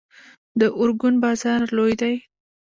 د ارګون بازار لوی دی